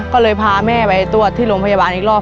ก็เลยพาแม่ไปตรวจที่โรงพยาบาลอีกรอบ